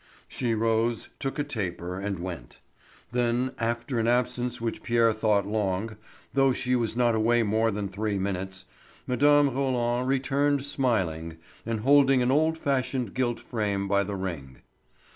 She rose, took a taper, and went. Then, after an absence which Pierre thought long, though she was not away more than three minutes, Mme. Roland returned smiling, and holding an old fashioned gilt frame by the ring.